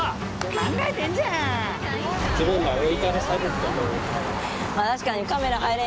考えてんじゃん！え！